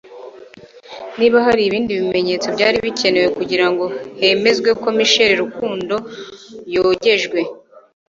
Niba hari ibindi bimenyetso byari bikenewe kugira ngo hemezwe ko Michael Rukundo yogejwe,